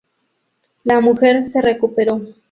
La mujer se recuperó.